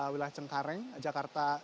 wilayah cengkareng jakarta